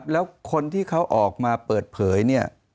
แล้วคนที่เขาออกมาเปิดเผยเนี่ย